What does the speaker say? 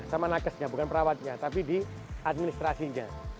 sama nakesnya bukan perawatnya tapi di administrasinya